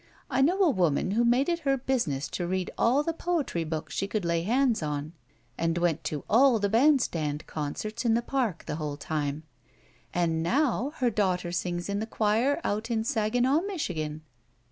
"I know a woman who made it her business to read all the poetry books she could lay hands on, and went to all the bandstand concerts in the Park the whole time, and now her daughter sings in the cheir out in Saginaw, Michigan.